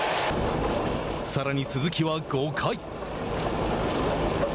さらに鈴木は５回。